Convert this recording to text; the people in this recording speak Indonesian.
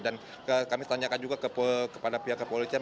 dan kami tanyakan juga kepada pihak kepolisian